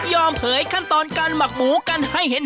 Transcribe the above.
เผยขั้นตอนการหมักหมูกันให้เห็น